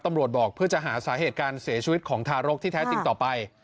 บอกเพื่อจะหาสาเหตุการเสียชีวิตของทารกที่แท้จริงต่อไป